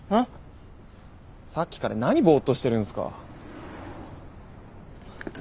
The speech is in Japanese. さっきから何ぼっとしてるんすか。